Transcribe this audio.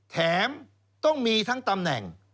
แถมต้องมีทั้งตำแหน่ง